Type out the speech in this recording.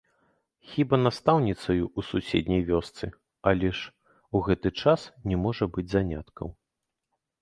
Хіба настаўніцаю ў суседняй вёсцы, але ж у гэты час не можа быць заняткаў.